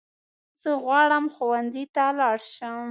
زه غواړم ښوونځی ته لاړ شم